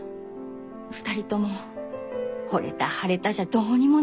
２人ともほれた腫れたじゃどうにもならないんだよ。